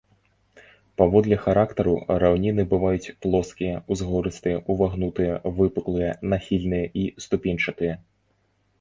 Паводле характару раўніны бываюць плоскія, узгорыстыя, увагнутыя, выпуклыя, нахільныя і ступеньчатыя.